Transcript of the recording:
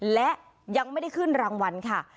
และยังไม่ได้ขึ้นรางวัลค่ะ